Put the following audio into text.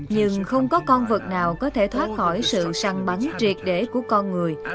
nhưng không có con vật nào có thể thoát khỏi sự săn bắn triệt để của con người